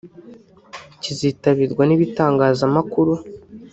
kizitabirwa n’ibitangazamakuru